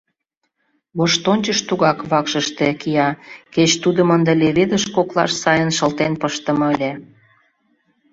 Воштончыш тугак вакшыште, кия, кеч тудым ынде леведыш коклаш сайын шылтен пыштыме ыле.